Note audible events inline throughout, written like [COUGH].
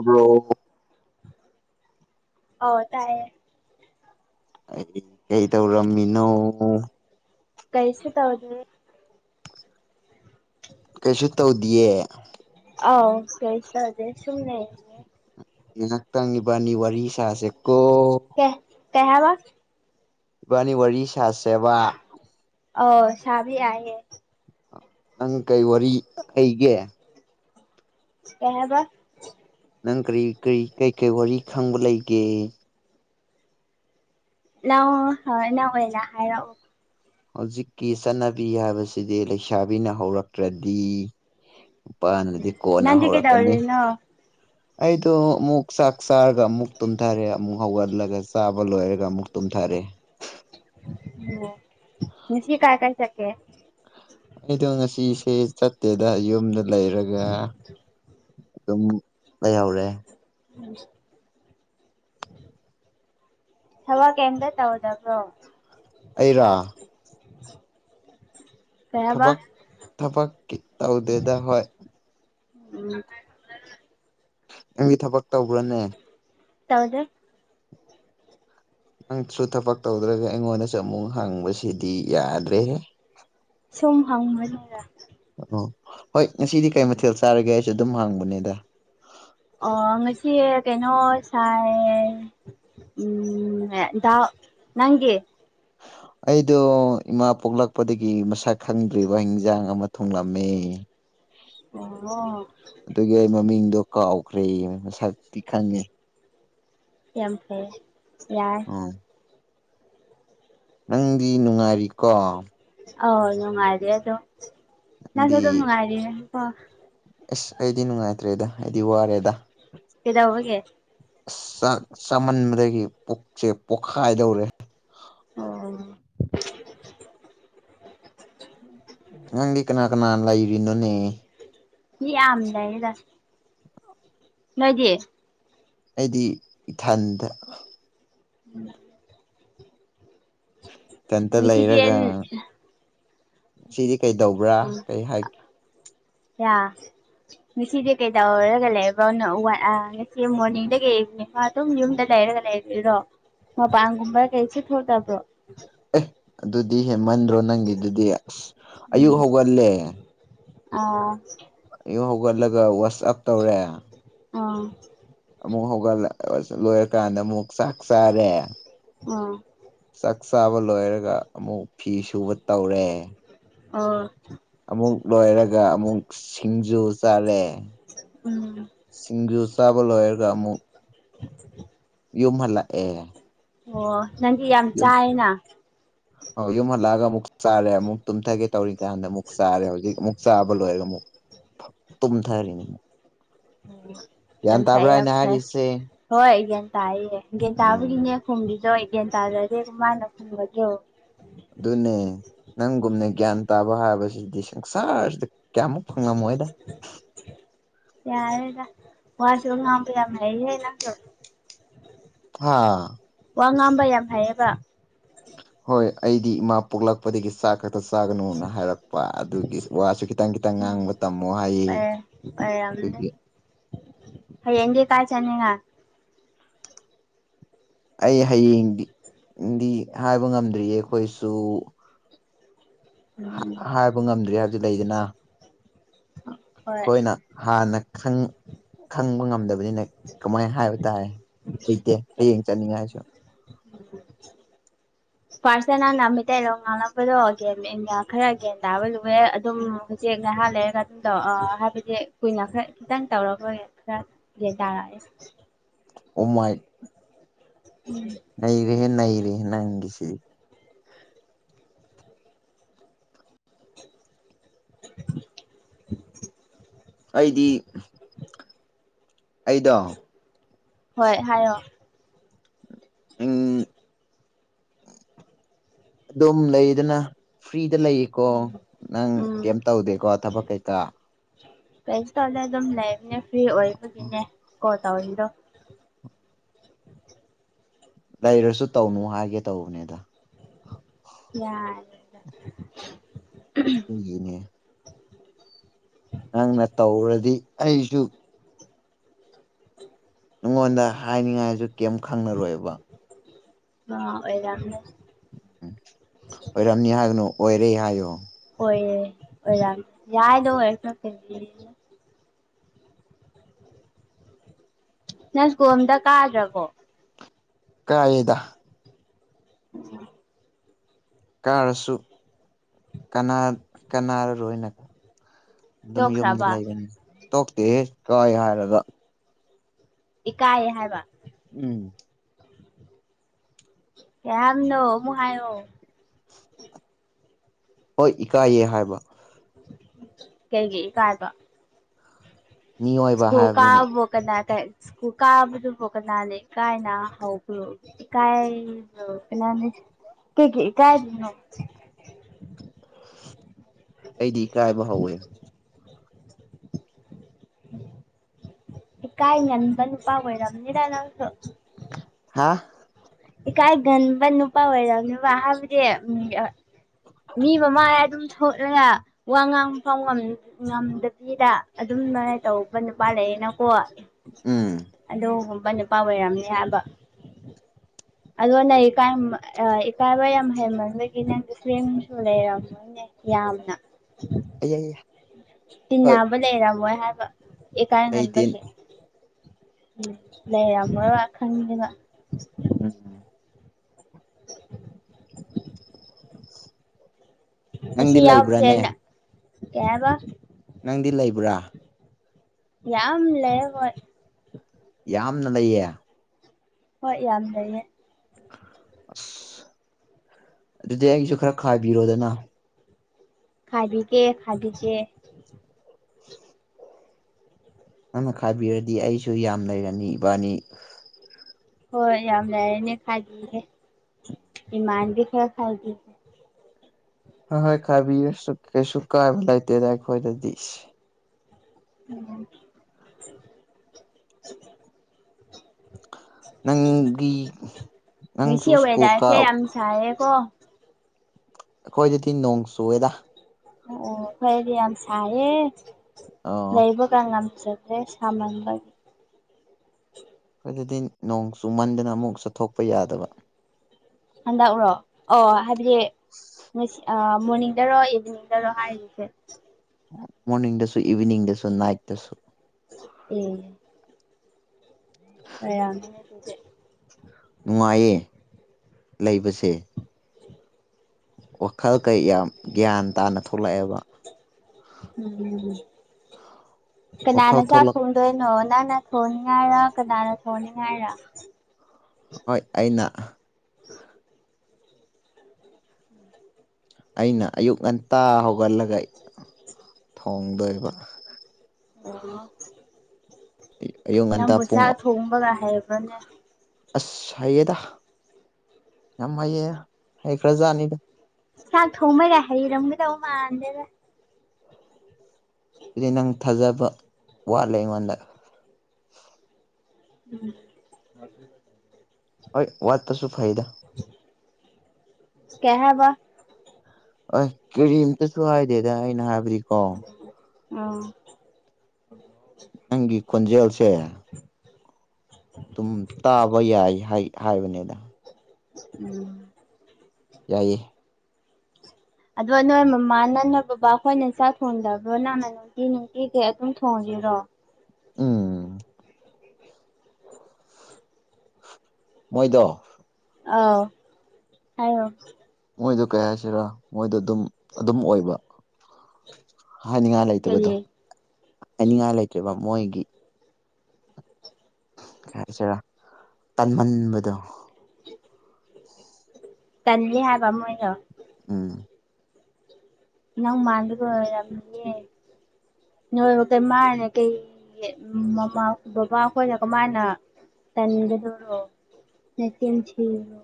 ꯑ꯭ꯔꯣ ꯑꯣ ꯇꯥꯏꯌꯦ ꯑꯩ ꯀꯩ ꯇꯧꯔꯝꯃꯤꯅꯣ ꯀꯩꯁꯤ ꯇꯥꯎꯗꯅꯦ ꯀꯩꯁꯨ ꯇꯧꯗꯤꯌꯦ ꯑꯥꯎ ꯀꯁ ꯇꯁꯦ ꯁꯨꯝꯅꯦ ꯉꯍꯥꯛ ꯇꯪꯉꯤꯕꯅꯤ ꯋꯥꯔꯤ ꯁꯥꯥꯁꯦ ꯀꯣ ꯀꯍꯕ ꯏꯕꯥꯅꯤ ꯋꯥꯔꯤ ꯁꯥꯁꯦꯕ ꯑ ꯁꯕꯤ ꯍꯥꯏ ꯅꯪ ꯀꯩ ꯋꯥꯔꯤꯔꯤ ꯑꯩꯩꯒ ꯀꯕ ꯅꯪ ꯀꯔꯤ ꯀꯔꯤ ꯀꯩ ꯀꯩ ꯋꯥꯔꯤ ꯈꯪꯕ ꯂꯩꯒꯦ ꯅꯅꯥ ꯅꯎꯦꯂ ꯍꯥꯏꯔꯥꯎ ꯍꯧꯖꯤꯛꯀꯤ ꯆꯠꯅꯕꯤ ꯍꯥꯏꯕꯁꯤꯗꯤ ꯂꯩꯁꯥꯕꯤꯅ ꯍꯧꯔꯛꯇ꯭ꯔꯗꯤ ꯅꯨꯄꯥꯅꯗꯤ ꯀꯣꯟꯅ ꯅꯪꯗꯤ ꯍꯧꯔꯛꯀꯅꯤ ꯀꯩꯗꯧꯔꯤꯅꯣ ꯑꯩꯗꯣ ꯑꯃꯨꯛ ꯆꯥꯛ ꯆꯥꯔꯒ ꯑꯃꯨꯛ ꯇꯨꯝꯊꯔꯦ ꯑꯃꯨꯛ ꯍꯧꯒꯠꯂꯒ ꯆꯥꯕ ꯂꯣꯏꯔꯒ ꯑꯃꯨꯛ ꯇꯨꯝꯊꯔꯦ [UNINTELLIGIBLE] ꯎꯝ ꯃꯁꯤ ꯀꯥꯏ ꯀꯥꯏ ꯆꯀꯦ ꯑꯩꯗꯣ ꯉꯁꯤꯁꯦ ꯆꯠꯇꯦꯗ ꯌꯨꯝꯗ ꯂꯩꯔꯒ ꯑꯗꯨꯝ ꯂꯩꯍꯧꯔꯦ ꯎꯝ ꯊꯋꯥ ꯀꯟꯗ ꯇ ꯍꯗꯕ꯭ꯔꯣ ꯑꯩꯔꯥ [UNINTELLIGIBLE] ꯍꯥꯏꯕ ꯊꯕꯥꯛ ꯊꯕꯛꯀꯤ ꯇꯥꯎꯗꯦꯗꯥ ꯍ ꯎꯝ ꯅꯪꯒꯤ ꯊꯕꯛ ꯇꯧꯕ꯭ꯔꯅꯦ ꯇꯥꯎꯗꯦ ꯅꯪꯁꯨ ꯊꯕꯛ ꯇꯧꯗ꯭ꯔꯒ ꯑꯩꯉꯣꯟꯗꯁꯨ ꯑꯃꯨꯛ ꯍꯪꯕꯁꯤꯗꯤ ꯌꯥꯗ꯭ꯔꯦ ꯁꯨꯝ ꯍꯪꯕꯅꯤꯗ ꯎ ꯍꯣꯏ ꯉꯁꯤꯗꯤ ꯀꯩ ꯃꯊꯦꯜ ꯆꯥꯔꯒꯦ ꯑꯩꯁꯨ ꯑꯗꯨꯝ ꯍꯥꯡꯕꯅꯦꯗ ꯑꯣ ꯉꯁꯤ ꯀꯩꯅꯣ ꯁꯥꯏ ꯎꯝꯠꯇꯥꯎ ꯅꯪꯦ ꯑꯩꯗꯣ ꯏꯃꯥ ꯄꯣꯛꯂꯛꯄꯗꯒꯤ ꯃꯁꯛ ꯈꯪꯗ꯭ꯔꯤꯕ ꯍꯤꯟꯖꯥꯡ ꯑꯃ ꯊꯨꯡꯂꯝꯃꯤ ꯑꯣ ꯑꯗꯨꯒꯤ ꯑꯩ ꯃꯃꯤꯡꯗꯣ ꯀꯥꯎꯈ꯭ꯔꯦ ꯃꯁꯛꯇꯤ ꯈꯪꯉꯦ ꯌꯥꯝ ꯐ ꯌꯥꯏ ꯎꯝ ꯅꯪꯗꯤ ꯅꯨꯡꯉꯥꯏꯔꯤꯀꯣ ꯑ ꯅꯨꯡꯉꯥꯏꯔꯤ ꯑꯗꯣ ꯅꯁ ꯅꯪꯗꯤ ꯑꯗꯨꯝ ꯅꯨꯡꯉꯥꯏꯔꯤꯦ ꯑꯦꯁ ꯑꯩꯗꯤ ꯅꯨꯡꯉꯥꯏꯇ꯭ꯔꯦꯗ ꯑꯩꯗꯤ ꯋꯥꯔꯦꯗ ꯀꯩꯗꯧꯕꯒꯦ ꯑꯥꯛ ꯆꯥꯃꯟꯕꯗꯒꯤ ꯄꯨꯛꯁꯦ ꯄꯣꯛꯈꯥꯏꯗꯧꯔꯦ ꯑ ꯉꯪꯒꯤ ꯀꯅꯥ ꯀꯅꯥꯅ ꯂ ꯔꯅꯣꯅꯦ ꯍ ꯌꯥꯝꯗꯗ ꯅꯣꯏꯗꯤ ꯑꯩꯗꯤ ꯏꯊꯟꯗ ꯎꯝ ꯀꯟꯇ ꯉꯁꯤꯗꯤ ꯂꯩꯔꯒ ꯁꯤꯗꯤ ꯀꯩꯗꯧꯕ꯭ꯔꯥ ꯎꯝ ꯀꯩ ꯍꯥꯏꯦ ꯌꯥ ꯉꯁꯤꯗꯤ ꯀꯩꯗꯧꯔꯒ ꯂꯩꯕ꯭ꯔꯣꯅ ꯉꯁꯤ ꯃꯣꯔꯅꯤꯡꯗꯒꯤ ꯏꯚꯅꯤꯡ ꯑꯗꯨꯝ ꯌꯨꯝꯗ ꯂꯩꯔ ꯔꯣ ꯃꯄꯥꯡꯒꯨꯝꯕ ꯀꯩꯁꯦ ꯊꯣꯛꯇꯕ꯭ꯔꯣ [UNINTELLIGIBLE] ꯑꯦ ꯑꯗꯨꯗꯤ ꯍꯦꯃꯟꯗ꯭ꯔꯣ ꯅꯪꯒꯤꯗꯨꯗꯤ ꯑꯁ ꯎꯝ ꯑꯌꯨꯛ ꯍꯧꯒꯠꯂꯦ ꯑꯥ ꯑꯌꯨ ꯍꯧꯒꯠꯂꯒ ꯋꯥꯁ ꯑꯞ ꯇꯧꯔꯦ ꯑꯥ ꯑꯃꯨꯛ ꯍꯧꯒꯠꯂꯛ ꯂꯣꯏꯔꯀꯥꯟꯗ ꯑꯃꯨꯛ ꯆꯥꯛ ꯆꯥꯔꯦ ꯑꯥ ꯆꯥꯛ ꯆꯥꯕ ꯂꯣꯏꯔꯒ ꯑꯃꯨꯛ ꯐꯤ ꯁꯨꯕ ꯇꯧꯔꯦ ꯑꯣ ꯑꯃꯨꯛ ꯂꯣꯏꯔꯒ ꯑꯃꯨꯛ ꯁꯤꯡꯖꯨ ꯆꯥꯔꯦ ꯎꯝ ꯁꯤꯡꯖꯨ ꯆꯥꯕ ꯂꯔꯒ ꯑꯃꯨꯛ [UNINTELLIGIBLE] ꯌꯨꯝ ꯍꯜꯂꯛꯑꯦ ꯑꯣ ꯅꯪꯗꯤ ꯌꯥꯝ ꯌꯨꯝ ꯆꯥꯏꯅ ꯌꯨꯝ ꯍꯜꯂꯛꯑꯒ ꯑꯃꯨꯛ ꯆꯥꯔꯦ ꯑꯃꯨꯛ ꯇꯨꯝꯊꯒꯦ ꯇꯧꯔꯤꯀꯥꯟꯗ ꯑꯃꯨꯛ ꯆꯥꯔꯦ ꯍꯧꯖꯤꯛ ꯑꯃꯨꯛ ꯆꯥꯕ ꯂꯣꯏꯔꯒ ꯑꯃꯨꯛ ꯇ ꯨꯝ ꯊꯔꯤꯅꯤ ꯌꯥꯝ ꯐꯥꯏ ꯌꯥꯝ ꯑꯩꯅ ꯐꯥꯏ ꯍꯥꯏꯔꯤꯁꯦ ꯍꯣꯏ ꯒ꯭ꯌꯥꯟꯇꯌꯦ ꯒ꯭ꯌꯥꯟ ꯇꯥꯕꯒꯤꯅꯦ ꯎꯝ ꯈꯨꯝꯕꯤꯗꯣ ꯑꯩ ꯒ꯭ꯌꯥꯟ ꯇꯥꯗꯔꯗꯦ ꯀꯃꯥꯏꯅ ꯈꯨꯝꯕꯒꯗꯔꯣ ꯑꯗꯨꯅꯦ ꯅꯪꯒꯨꯝꯅ ꯒ꯭ꯌꯥꯟ ꯇꯥꯕ ꯍꯥꯏꯕꯁꯤꯗꯤ ꯁꯪꯁꯥꯔꯁꯤꯗ ꯀꯌꯥꯃꯨꯛ ꯐꯪꯉꯝꯃꯣꯢꯗ ꯌꯥꯔꯦꯗ ꯋꯥꯁꯨ ꯉꯥꯡꯕ ꯌꯥꯝ ꯍꯩꯔꯦ ꯑꯩꯁꯨ ꯑꯥ ꯋꯥ ꯉꯥꯡꯕ ꯌꯥꯝ ꯍꯥꯏꯌꯦꯕ ꯍꯣꯏ ꯑꯩꯗꯤ ꯏꯃꯥ ꯄꯣꯛꯂꯛꯄꯗꯒꯤ ꯆꯥꯛ ꯆꯥꯒꯅꯨꯅ ꯍꯥꯏꯔꯛꯄ ꯑꯗꯨꯒꯤ ꯋꯥꯁꯨ ꯈꯤꯇꯪ ꯈꯤꯇꯪ ꯉꯥꯡꯕ ꯇꯝꯃꯣ ꯍꯥꯏꯌꯦ ꯅꯣꯏꯔꯝꯅꯤ ꯑꯗꯨꯒꯤ ꯍꯌꯦꯡꯖꯦ ꯀꯥꯏ ꯆꯠꯅꯤꯡꯉꯥꯏ ꯑꯩ ꯍꯌꯦꯡꯗꯤ ꯗꯤ ꯍꯥꯏꯕ ꯉꯝꯗ꯭ꯔꯤꯌꯦ ꯑꯩꯈꯣꯏꯁꯨ ꯎꯝ ꯍꯥꯏꯕ ꯉꯝꯗ꯭ꯔꯤ ꯍꯥꯏꯕꯗꯤ ꯂꯩꯗꯅ ꯍꯣꯏ ꯑꯩꯈꯣꯏꯅ ꯍꯥꯟꯅ ꯈꯪ ꯈꯪꯕ ꯉꯝꯗꯕꯅꯤꯅ ꯀꯃꯥꯏꯅ ꯍꯥꯏꯕ ꯇꯥꯏ ꯂꯩꯇꯦ ꯍꯌꯦꯡ ꯆꯠꯅꯤꯡꯉꯥꯏꯁꯨ ꯐꯥꯔꯁꯇ ꯅꯪꯅ ꯃꯤꯇꯩꯩꯔ ꯉꯥꯡꯂꯝꯕꯗꯣ ꯒ꯭ꯌꯥꯟ ꯃꯦꯟꯒ ꯈꯔ ꯒ꯭ꯌꯥꯟ ꯇꯥꯕ ꯂꯨꯑꯦ ꯑꯗꯨꯝ ꯍꯧꯖꯤꯛ ꯅꯥꯏꯍꯥꯟ ꯂꯩꯔꯒ ꯑꯗꯨꯝ ꯇꯧꯔ ꯍꯥꯏꯕꯗꯤ ꯀꯨꯏꯅ ꯈꯔ ꯈꯤꯇꯪ ꯇꯧꯔꯒ ꯈꯔ ꯒ꯭ꯌꯥꯟ ꯇꯥꯔꯛꯑꯦ ꯎꯃꯥꯏ ꯎꯝ ꯅꯩꯔꯦꯍꯦ ꯅꯪ ꯁꯤꯗꯤ [UNINTELLIGIBLE] ꯑꯩꯗꯤ ꯑꯩꯗꯣ ꯍꯣꯏ ꯍꯥꯏꯌꯣ ꯎꯝ ꯑꯗꯨꯝ ꯂꯩꯗꯅ ꯐ꯭ꯔꯤꯗ ꯂꯩꯌꯦꯀꯣ ꯅꯪ ꯎꯝ ꯀꯩꯝ ꯇꯧꯗꯦꯀꯣ ꯊꯕꯛ ꯀꯩꯀꯥ ꯀꯩ ꯇꯂꯦ ꯑꯗꯨꯝ ꯂꯩꯕꯅꯦ ꯐ꯭ꯔꯤ ꯑꯣꯏꯕꯒꯤꯅꯦ ꯇꯧꯏꯗꯣ ꯂꯩꯔꯁꯨ ꯇꯧꯅꯨ ꯍꯥꯏꯒꯦ ꯇꯧꯕꯅꯦꯗ ꯌꯥꯔꯦꯗ ꯑꯗꯨ ꯒꯤꯅꯦ ꯅꯪꯅ ꯇꯧꯔꯗꯤ ꯑꯩꯁꯨ [UNINTELLIGIBLE] ꯑꯩꯉꯣꯟꯗ ꯍꯥꯏꯅꯤꯡꯉꯥꯏꯁꯨ ꯀꯩꯝ ꯈꯪꯅꯔꯣꯏꯕ ꯑ ꯑꯣꯏꯔ ꯎꯝ ꯑꯣꯏꯔꯝꯅꯤ ꯍꯥꯏꯒꯅꯨ ꯑꯣꯏꯔꯦ ꯍꯥꯏꯌꯣ ꯑꯣꯏꯣꯏ ꯑꯣꯏ ꯌꯥꯏꯗꯣ ꯑꯣꯏꯔ ꯅꯁ ꯀꯣ ꯑꯝꯇ ꯀꯥꯗ꯭ꯔꯕꯣ ꯀꯥꯏꯗ ꯎꯝ ꯀꯥꯔꯁꯨ ꯀꯅꯥꯔꯔꯣꯏꯅꯕ ꯑꯗꯨꯝ ꯌꯨꯝꯗ ꯇꯣꯛꯈ꯭ꯔꯕ ꯂꯩꯒꯅꯤ ꯇꯣꯛꯇꯦ ꯀꯥꯏ ꯍꯥꯏꯔꯒ ꯏ ꯀꯥꯏꯌꯦ ꯍꯥꯏꯕ ꯎꯝ ꯀ ꯅꯣ ꯃꯨ ꯍꯥꯏꯣ ꯍꯣꯏ ꯏꯀꯥꯏꯌꯦ ꯍꯥꯏꯕ ꯀꯩꯒꯤꯩ ꯏ ꯀꯥꯏꯕ ꯃꯤꯑꯣꯏꯕ ꯁꯨ ꯍꯥꯏꯕꯅꯤꯅ ꯀꯥꯕ ꯀꯅꯥꯇ ꯁꯀꯨꯜ ꯀꯥꯕꯗꯨ ꯐ ꯀꯅꯥꯅꯤ ꯀꯥꯏꯅ ꯍꯧꯕꯣ ꯀꯥꯏ ꯀꯅꯥꯅꯤ ꯀ ꯀ ꯀꯥꯏ ꯑꯩꯗꯤ ꯏ ꯀꯥꯏꯕ ꯍꯧꯋꯦ ꯀꯥꯏ ꯅ ꯑꯀꯅ ꯄꯕꯣꯏꯔꯗꯥꯥꯏꯅ ꯑ ꯀꯥꯏ ꯟꯕ ꯅꯨꯄꯥ ꯑꯣꯏꯔ ꯅꯨꯕ ꯍꯥꯕꯨꯗꯤ ꯃꯤ ꯃꯃꯥꯏ ꯑꯗꯨꯝ ꯊꯣꯂꯒ ꯋꯥ ꯉꯥꯡꯕ ꯐꯥꯎ ꯉꯝꯗꯕꯤꯗ ꯑꯗꯨꯝ ꯉꯥꯏ ꯇꯧꯕꯧꯕ ꯅꯨꯄꯥꯜ ꯂꯩꯌꯦꯩꯅꯅ ꯀꯣ ꯎꯝ ꯑꯗꯨ ꯃꯄ ꯅꯨꯄꯥ ꯑꯣꯏꯔꯝꯅꯤ ꯍꯥꯏꯕ ꯑꯗꯣ ꯅꯪ ꯏꯀꯥꯏꯕ ꯌꯥꯝ ꯍꯩꯃꯟꯕꯒꯤ ꯅꯪ ꯀꯦꯝꯁꯨ ꯂꯩꯔꯝꯃꯣꯏꯅꯦ ꯌꯥꯅ ꯑ ꯇꯤꯟꯅꯕ ꯂꯩꯔꯝꯃꯣꯏ ꯍꯥꯏꯕ ꯏꯀꯥꯏ ꯂꯩꯇꯦ ꯉꯟꯕꯒꯤ ꯝ ꯂꯩꯔꯃ ꯈꯪꯅ ꯎꯝ [UNINTELLIGIBLE] ꯅꯪꯗꯤ ꯑꯁꯤꯁꯤ ꯂꯩꯕ꯭ꯔꯥꯅꯦ ꯌꯥꯎꯁꯦꯅ ꯀꯕ ꯅꯪꯗꯤ ꯂꯩꯕ꯭ꯔꯥ ꯌꯥꯝ ꯂꯩ ꯋꯥ ꯌꯥꯝꯅ ꯂꯩ ꯍꯣꯏ ꯌꯥꯝ ꯂꯩꯌꯦ ꯑꯁ ꯑꯗꯨꯗꯤ ꯑꯩꯁꯨ ꯈꯔ ꯈꯥꯏꯕꯤꯔꯣꯗꯅ ꯈꯥꯕꯤ ꯀꯦ ꯈꯥꯕꯤ ꯀꯦ ꯅꯪꯅ ꯈꯥꯏꯕꯤꯔꯗꯤ ꯑꯩꯁꯨ ꯌꯥꯝ ꯂꯩꯔꯅꯤ ꯏꯕꯥꯅꯤ ꯍꯣꯏ ꯌꯥꯝ ꯂꯔꯤꯅꯤ ꯈꯥꯗ ꯏꯃꯥꯟꯕꯤ ꯈꯔ ꯈꯥꯏꯗ ꯍ ꯍꯣꯏ ꯈꯕꯤ ꯀꯩꯁꯨꯀꯥꯏꯕꯥꯏ ꯇꯗ ꯈ꯭ꯋꯥꯏꯗꯁ ꯎꯝ ꯅꯪꯒꯤ ꯉꯁꯤ ꯅꯪꯁꯨ ꯁꯀꯣ ꯋꯦꯗꯔꯁꯦ ꯀꯥꯎ ꯌꯥꯝ ꯁꯥꯏꯌꯦꯀꯣ ꯑꯩꯈꯣꯏꯗꯤꯗꯤ ꯅꯣꯡ ꯆꯨꯏꯗ ꯑꯣ ꯐꯣꯏꯗꯤ ꯌꯥꯝ ꯁꯥꯏꯌꯦ ꯑꯣ ꯂꯩꯕꯒ ꯆꯠ ꯁꯃꯟ ꯑꯩꯈꯣꯏꯗꯤ ꯅꯣꯡ ꯆꯨꯃꯟꯗꯅ ꯑꯃꯨꯛ ꯆꯠꯊꯣꯛꯄ ꯌꯥꯗꯕ ꯍꯟꯗꯛ ꯎꯔꯣ ꯑꯣ ꯍꯥꯏꯕꯗꯤ ꯉꯁꯤ ꯃꯅꯤꯡꯗꯔꯣꯑꯗꯤꯅꯤꯡꯗꯔꯣ ꯍꯥꯏꯔꯤꯁꯦ ꯃꯣꯔꯅꯤꯡꯗꯁꯨ ꯏꯚꯅꯤꯡꯗꯁꯨ ꯅꯥꯏꯏꯠ ꯗꯁꯨ ꯎꯝ ꯑ ꯌꯥꯡ ꯅꯨꯡꯉꯥꯏꯌꯦ ꯂꯩꯕꯁꯦ ꯋꯥꯈꯜ ꯀꯩ ꯌꯥꯝ ꯒ꯭ꯌꯥꯟ ꯇꯥꯅ ꯊꯣꯛꯂꯛꯑꯦꯕ ꯎꯝ ꯀꯅꯥꯅ ꯋꯥꯈꯜ ꯆꯥꯛ ꯊꯣꯛꯂꯛ ꯊꯣꯡꯗꯣꯏꯅꯣ ꯀꯅꯥꯅ ꯊꯣꯡꯅꯤꯡ ꯉꯥꯏꯔ ꯀꯅꯥꯅ ꯊꯣꯡꯅꯤꯡ ꯉꯥꯏꯔ ꯍꯣꯏ ꯑꯩꯅ ꯑꯩꯅ ꯑꯌꯨꯛ ꯉꯟꯇꯥ ꯍꯧꯒꯠꯂꯒ ꯊꯣꯡꯗꯣꯏꯕ ꯑꯣ ꯑꯌꯨꯛ ꯉꯟꯇꯥ ꯅꯪꯕꯨ ꯄꯨꯡ ꯆꯥꯛ ꯊꯣꯡꯕꯒ ꯍꯥꯏꯕ꯭ꯔꯥꯅꯦ ꯑꯁ ꯍꯥꯏꯌꯦꯗ ꯌꯥꯝ ꯍꯩꯌꯦ ꯍꯩꯈ꯭ꯔꯖꯥꯠꯅꯤꯗ ꯆꯥꯛ ꯊꯣꯡꯕꯒ ꯍꯥꯏꯔꯝꯒꯗꯧ ꯃꯥꯟꯗꯦꯗ ꯑꯗꯨꯗꯤ ꯅꯪ ꯊꯥꯖꯕ ꯋꯥꯠꯂꯦ ꯑꯩꯉꯣꯟꯗ ꯎꯝ ꯍꯣꯏ ꯋꯥꯠꯄꯁꯨ ꯐꯥꯏꯗ [INAUDIBLE] ꯑ ꯀꯔꯤꯝꯇꯁꯨ ꯍꯥꯏꯗꯦꯗ ꯑꯩꯅ ꯍꯥꯏꯕꯗꯤꯀꯣ ꯑꯥ ꯅꯪꯒꯤ ꯈꯣꯟꯖꯦꯜꯁꯦ ꯑꯗꯨꯝ ꯇꯥꯕ ꯌꯥꯏ ꯍꯥꯏꯕꯅꯤꯗ ꯎꯝ ꯌꯥꯏꯌꯦ ꯑꯗꯣ ꯅꯣꯏ ꯃꯃꯥꯅ ꯅꯣꯏ ꯕꯕꯥ ꯑꯩꯈꯣꯏꯅ ꯆꯥꯛ ꯊꯣꯡꯗꯕ꯭ꯔꯣ ꯅꯪꯅ ꯅꯨꯡꯇꯤ ꯅꯨꯡꯇꯤꯒꯤ ꯑꯗꯨꯝ ꯊꯣꯡ ꯉꯤꯔꯣ ꯎꯝ ꯃꯣꯏꯗꯣ ꯑꯥꯎ ꯍꯥꯏꯔꯣ ꯃꯣꯏꯗꯣ ꯀꯩ ꯍꯥꯏꯁꯤꯔꯥ ꯃꯣꯏꯗ ꯑꯗꯨꯝ ꯑꯗꯨꯝ ꯑꯣꯏꯕ ꯍꯥꯏꯅꯤꯡꯉꯥꯏ ꯂꯩꯇꯕꯗꯣ ꯀꯔꯤ ꯍꯥꯏꯅꯤꯡꯉꯥꯏ ꯂꯩꯇꯦꯕ ꯃꯣꯏꯒꯤ ꯀꯔꯤ ꯍꯥꯏꯁꯤꯔ ꯃꯣꯏꯒꯤ ꯇꯟꯃꯟꯕꯗꯣ ꯇꯟꯅꯤ ꯍꯥꯏꯕ ꯃꯣꯏꯅ ꯎꯝ ꯅꯪ ꯃꯥꯗ ꯑꯣꯏꯔꯝꯅꯤꯍꯦ ꯅꯣꯏ ꯀꯃꯥꯏꯅ ꯀꯩꯒꯤ ꯃꯃꯥ ꯕꯕꯥ ꯈꯣꯏꯅ ꯀꯃꯥꯏꯅ ꯇꯟꯒꯗꯔꯣ ꯅꯆꯤꯟ ꯊꯤꯒꯅꯨ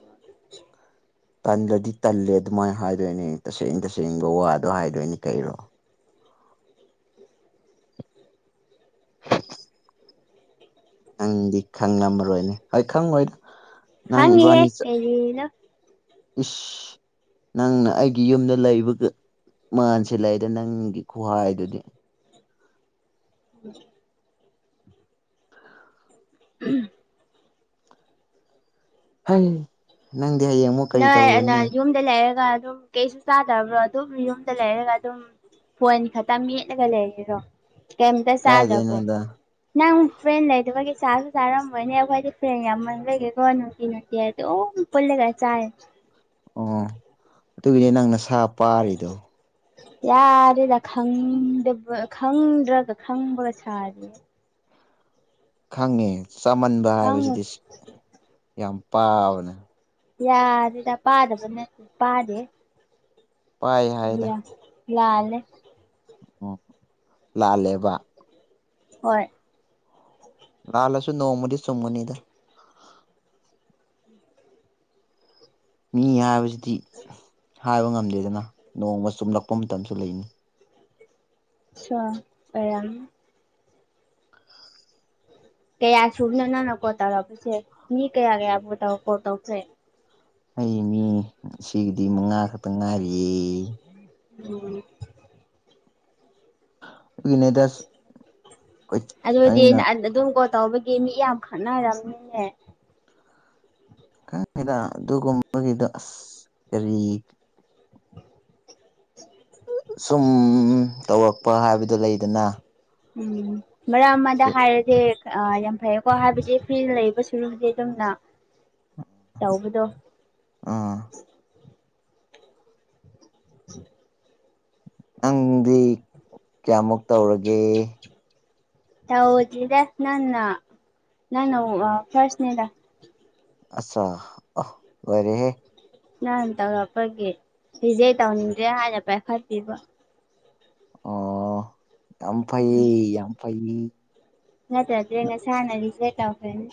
ꯇꯜꯂꯗꯤ ꯇꯜꯂꯦ ꯑꯗꯨꯃꯥꯏꯅ ꯍꯥꯏꯗꯣꯏꯅꯦ ꯇꯁꯦꯡ ꯇꯁꯦꯡꯕ ꯋꯥꯗꯣ ꯍꯥꯏꯗꯣꯏꯅꯦ ꯀꯩꯔꯣ ꯅꯪꯗꯤ ꯈꯪꯂꯝꯃꯔꯣꯏꯅꯦ ꯍꯣꯏ ꯈꯪꯉꯣꯏꯗ ꯅꯪ ꯈꯪꯉꯤꯍꯦ ꯏꯕꯥꯅꯤ ꯆ ꯀꯥꯔꯤꯅꯣ ꯏꯁ ꯅꯪꯅ ꯑꯩꯒꯤ ꯌꯨꯝꯗ ꯂꯩꯕꯒ ꯃꯥꯥꯟꯁꯤꯜ ꯂꯩꯗ ꯅꯪꯒꯤ ꯈꯨꯍꯥꯏꯗꯨꯗꯤ [UNINTELLIGIBLE] [UNINTELLIGIBLE] ꯍꯥꯏ ꯅꯪ ꯅꯣꯏ ꯑ ꯌꯨꯝꯗ ꯂꯩꯔꯒ ꯑꯗꯨꯝ ꯀꯩꯁꯨ ꯆꯥꯗꯕ꯭ꯔꯣ ꯑꯗꯨꯝ ꯌꯨꯝꯗ ꯂꯩꯔꯒ ꯑꯗꯨꯝ ꯐꯣꯟ ꯈꯛꯇ ꯃꯦꯠꯂꯒ ꯂꯩꯔꯤꯔꯣ ꯀꯩꯝꯇ ꯆꯥꯗ꯭ꯔꯕꯣ ꯀꯥꯏꯗꯩꯅꯣꯗ ꯅꯪ ꯐ꯭ꯔꯦꯟ ꯂꯩꯗꯕꯒꯤ ꯆꯥꯁꯨ ꯆꯥꯔꯝꯕꯅꯦ ꯑꯩꯈꯣꯏꯗꯤ ꯐ꯭ꯔꯦꯟ ꯌꯥꯝꯃꯟ ꯕꯩꯀꯣ ꯅꯨꯡꯇꯤ ꯅꯨꯡꯇꯤ ꯑꯗꯨꯝ ꯄꯨꯜꯂꯒ ꯆꯥꯏ ꯑꯣ ꯑꯗꯨꯒꯤꯗꯤ ꯅꯪ ꯅꯁꯥ ꯄꯥꯔꯤꯗꯣ ꯌꯥꯔꯦꯗ ꯈꯗꯕ ꯈꯪꯗ꯭ꯔꯒ ꯈꯪꯕ꯭ꯔꯥ ꯁꯥꯔꯤ ꯈꯪꯉꯦ ꯆꯃꯟꯕ ꯈꯪꯉꯨ ꯍꯥꯏꯕꯁꯤꯗꯤ ꯌꯥꯝ ꯄꯥꯕꯅꯦ ꯌꯥꯗ ꯄꯥꯗ ꯄꯥꯗꯦ ꯄꯥꯏ ꯍꯥꯏꯗ ꯌꯥ ꯂꯥꯜꯂꯦ ꯎꯝ ꯂꯥꯜꯂꯦꯕ ꯍꯣꯏ ꯂꯍꯂꯁꯨ ꯅꯧꯃꯅꯤ ꯁꯣꯃꯅꯤꯗ ꯃꯤ ꯍꯥꯏꯕꯁꯤꯗꯤ ꯍꯥꯏꯕ ꯉꯝꯗꯦꯗꯅ ꯅꯣꯡꯃ ꯆꯨꯝꯂꯛꯄ ꯃꯇꯝꯁꯨ ꯂꯩꯅꯤ ꯁꯣ ꯑꯌꯥꯝꯌꯥꯝ [INAUDIBLE] ꯀꯌꯥ ꯁꯨꯕꯅꯣ ꯅꯪꯅ ꯀꯣꯠ ꯇꯧꯔꯛꯄꯁꯦ ꯃꯤ ꯀꯌꯥ ꯌꯥꯕꯅꯣ ꯇꯧꯈ꯭ꯔꯦ [INAUDIBLE] ꯑꯩ ꯃꯤ ꯁꯤꯡꯗꯤ ꯃꯉꯥ ꯈꯇꯪ ꯉꯥꯏꯔꯤꯌꯦ ꯎꯝ ꯑ [INAUDIBLE] ꯑꯗꯨꯗꯤ ꯑꯩꯅ ꯅ ꯑꯗꯨꯝ ꯀꯣ ꯇꯩꯕ ꯃꯤ ꯌꯥꯝ ꯈꯠꯅꯔꯝꯅꯤꯅꯦ ꯀꯗ [INAUDIBLE] ꯑꯗꯨꯒꯨꯝꯕꯒꯤꯗꯨ ꯑꯁ ꯎꯝ [INAUDIBLE] ꯁꯨꯝ ꯇꯧꯔꯛꯄ ꯍꯥꯏꯕꯗꯣ ꯂꯩꯗꯅ ꯎꯝ ꯃꯔ ꯑꯃꯗ ꯍꯥꯏꯔꯗꯦ ꯌꯥꯝ ꯐꯩꯌꯦꯀꯣ ꯍꯥꯏꯕꯗꯤ ꯐꯤ ꯂꯩꯕ ꯁꯨꯔꯨꯗꯤ ꯑꯗꯨꯝꯅ ꯇꯧꯕꯗꯣ ꯑꯥ [UNINTELLIGIBLE] ꯅꯪꯗꯤ ꯀꯌꯥꯃꯨꯛ ꯇꯧꯔꯒꯦ ꯇꯧꯗ꯭ꯔꯤꯗ ꯅꯪꯅ ꯐꯁꯅꯦꯗ ꯑꯆꯥꯥ ꯑ ꯂꯣꯏꯔꯦꯍꯦ ꯅꯪ ꯇꯧꯔꯛꯄꯒꯤ ꯐꯤꯖꯩ ꯇꯧꯅꯤꯡꯗ꯭ꯔꯦ ꯍꯥꯏꯅ ꯄꯥꯏꯈꯠꯇꯤꯕ ꯑꯣ ꯌꯥꯝ ꯎꯝ ꯐꯩꯌꯦ ꯌꯥꯝ ꯐꯩꯌꯦ ꯅꯠꯇ꯭ꯔꯗꯤ ꯉꯁꯥꯏꯅ ꯔꯤꯖꯦꯛ ꯇꯧꯈ꯭ꯔꯅꯤ